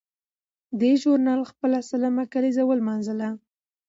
دې ژورنال خپله سلمه کالیزه ولمانځله.